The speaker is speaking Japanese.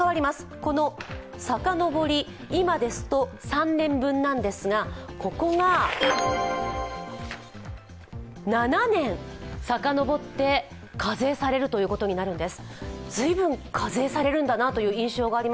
このさかのぼり、今ですと３年分ですが、ここが７年、さかのぼって課税されることになります。